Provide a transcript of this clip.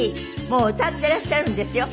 もう歌っていらっしゃるんですよ。